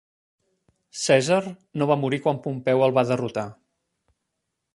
Cèsar no va morir quan Pompeu el va derrotar.